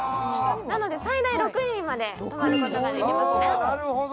なので最大６人まで泊まることができますね。